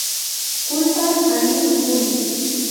Culpan a Nick Fury.